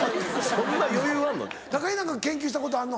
そんな余裕あんの？